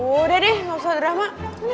udah deh nggak usah drama